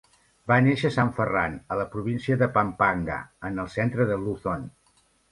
Va néixer a Sant Ferran, a la província de Pampanga, en el centre de Luzon.